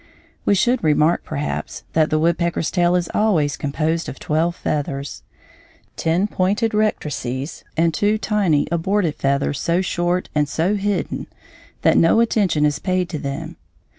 We should remark, perhaps, that the woodpecker's tail is always composed of twelve feathers ten pointed rectrices and two tiny abortive feathers so short and so hidden that no attention is paid to them.